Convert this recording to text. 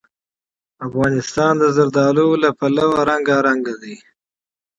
افغانستان د زردالو له پلوه متنوع دی.